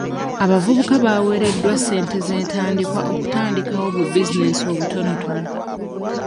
Abavubuka baweereddwa ssente z'entandikwa okutandikawo bu bizinensi obutonotono.